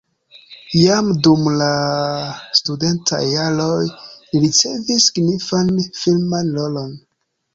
Jam dum la studentaj jaroj li ricevis signifan filman rolon.